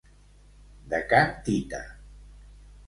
De can Tita.